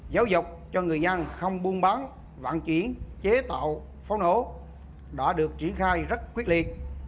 giáo dục cho người nhân không buôn bán vạn chuyển chế tạo pháo nổ đã được triển khai rất quyết liệt